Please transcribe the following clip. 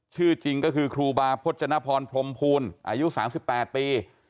ชื่อจริงก็คือครูบาพจนพรพรมภูลอายุ๓๘ปี